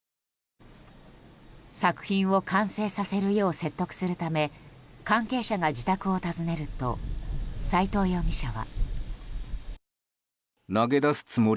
作品を完成させるよう説得するため関係者が自宅を訪ねると斎藤容疑者は。